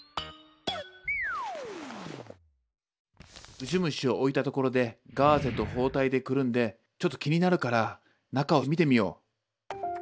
ウジ虫を置いたところでガーゼと包帯でくるんでちょっと気になるから中を見てみよう。